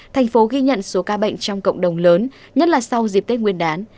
thành phố ghi nhận số ca bệnh trong cộng đồng lớn nhất là sau dịp tết nguyên đán